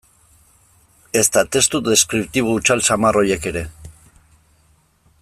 Ezta testu deskriptibo hutsal samar horiek ere.